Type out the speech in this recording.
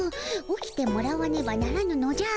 起きてもらわねばならぬのじゃ。